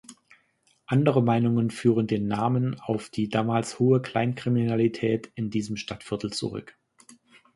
Andere Meinungen führen den Namen auf die damals hohe Kleinkriminalität in diesem Stadtviertel zurück.